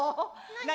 何？